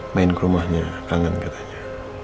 main ke rumahnya kangen katanya